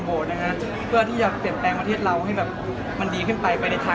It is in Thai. โอเคคะ